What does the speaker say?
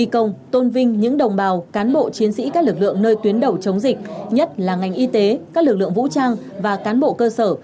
chỉ các lực lượng nơi tuyến đầu chống dịch nhất là ngành y tế các lực lượng vũ trang và cán bộ cơ sở